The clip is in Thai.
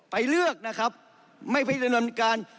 เลือกนะครับไม่ไปดำเนินการ